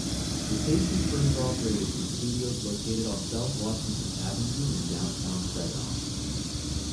The station first operated from studios located on South Washington Avenue in Downtown Saginaw.